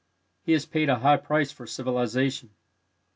He has paid a high price for civilization.